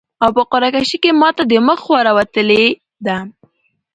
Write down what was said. او په قرعه کشي کي ماته د مخ خوا راوتلي ده